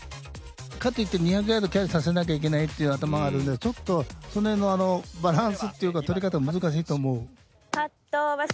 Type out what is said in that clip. かといって２００ヤードキャリーさせなきゃいけいないっていう頭があるんでちょっとそのへんのあのバランスっていうか取り方難しいと思う。